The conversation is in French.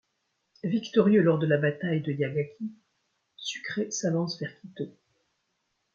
Victorieux lors de la bataille de Yaguachi, Sucre s'avance vers Quito.